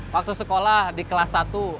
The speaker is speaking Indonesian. waktu sekolah di kelas satu